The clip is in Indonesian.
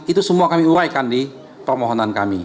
itu semua kami uraikan di permohonan kami